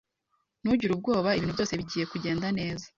Ntugire ubwoba. Ibintu byose bigiye kugenda neza.